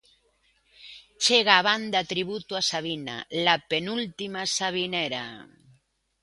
Chega a banda tributo a Sabina "La Penúltima Sabinera".